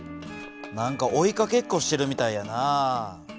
何か追いかけっこしてるみたいやな。